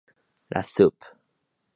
La sub.